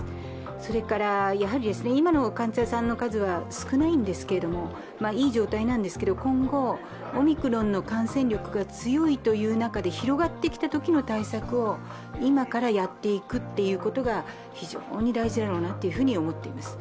それから、今の患者さんの数は少ないんですけれども、いい状態なんですけれども、今後オミクロンの感染力が強いという中で、広がってきたときの対策を今からやっていくことが非常に大事だろうなと思っています。